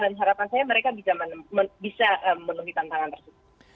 dan harapan saya mereka bisa menuhi tantangan tersebut